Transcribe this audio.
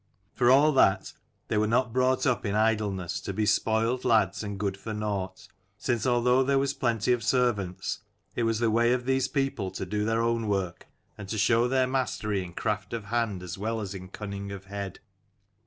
For all that, they were not brought up in idleness, to be spoiled lads and good for nought ; since, although there was plenty of servants, it was the way of these people to do their own work, and to show their mastery in craft of hand as well as in cunning of head.